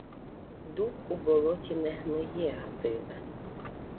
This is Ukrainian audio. — Дуб у болоті не гниє, Гатиле.